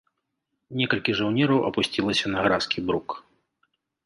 Некалькі жаўнераў апусцілася на гразкі брук.